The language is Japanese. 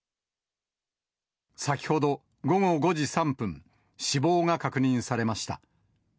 先ほど午後５時３分、死亡が確認されました。